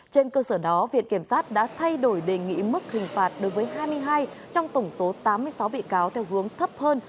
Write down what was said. trên cơ sở đó viện kiểm sát đã thay đổi đề nghị mức hình phạt đối với hai mươi hai trong tổng số tám mươi sáu bị cáo theo hướng thấp hơn